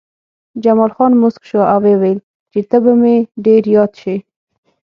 جمال خان موسک شو او وویل چې ته به مې ډېر یاد شې